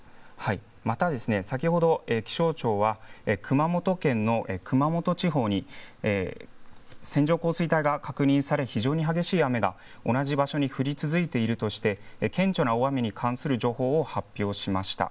また、先ほど気象庁は熊本県の熊本地方に線状降水帯が確認され、非常に激しい雨が同じ場所に降り続いているとして、顕著な大雨に関する情報を発表しました。